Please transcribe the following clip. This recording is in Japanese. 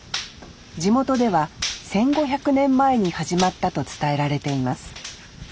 地元では１，５００年前に始まったと伝えられています。